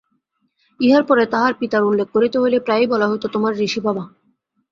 ইহার পরে তাহার পিতার উল্লেখ করিতে হইলে প্রায়ই বলা হইত, তোমার ঋষিবাবা!